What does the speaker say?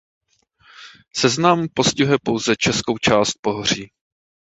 Seznam postihuje pouze českou část pohoří.